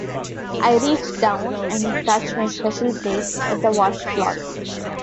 I reached down and touched my special place with the washcloth.